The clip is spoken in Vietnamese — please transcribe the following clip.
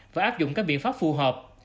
và áp dụng các biện pháp phù hợp